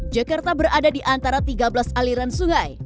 jakarta berada di antara tiga belas aliran sungai